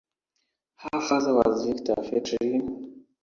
Her father was Victor Fratellini.